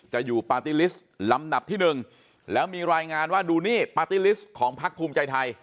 อยู่ปาร์ตี้ลิสต์ลำดับที่หนึ่งแล้วมีรายงานว่าดูนี่ปาร์ตี้ลิสต์ของพักภูมิใจไทย